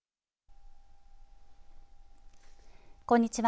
こんにちは。